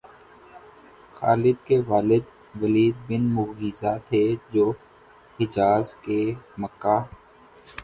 خالد کے والد Walid bin Mughira تھے، جو حجاز کے مکہ